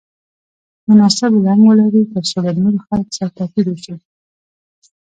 مناسب رنګ ولري ترڅو له نورو خلکو سره توپیر وشي.